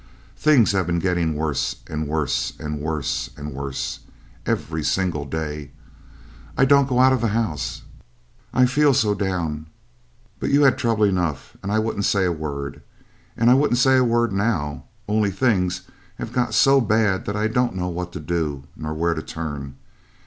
Things have been getting worse and worse, and worse and worse, every single day; I don't go out of the house, I feel so down; but you had trouble enough, and I wouldn't say a word and I wouldn't say a word now, only things have got so bad that I don't know what to do, nor where to turn."